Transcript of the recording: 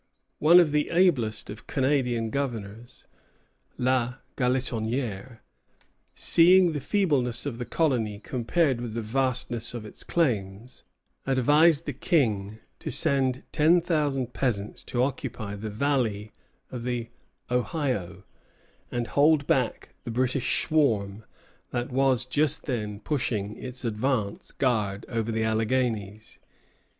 One of the ablest of Canadian governors, La Galissonière, seeing the feebleness of the colony compared with the vastness of its claims, advised the King to send ten thousand peasants to occupy the valley of the Ohio, and hold back the British swarm that was just then pushing its advance guard over the Alleghanies.